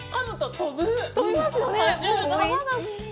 飛びますよね？